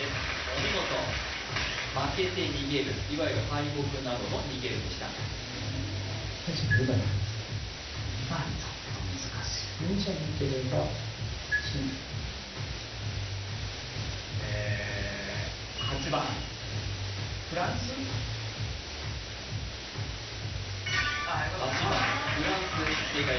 お見事負けて逃げるいわゆる敗北などのにげるでした２番ちょっと難しいえああよかった！